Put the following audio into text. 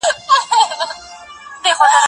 زه به اوږده موده کتابتون ته تللي وم؟!